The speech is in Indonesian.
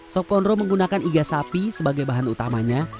sop konro menggunakan iga sapi sebagai bahan utamanya